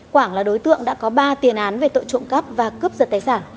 quảng là đối tượng đã có ba tiền án về tội trộm cắp và cướp giật tài sản